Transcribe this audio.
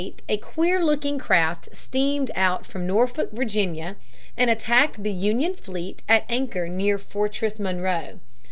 On March 8 a queer looking craft steamed out from Norfolk, Virginia, and attacked the Union fleet at anchor near Fortress Monroe.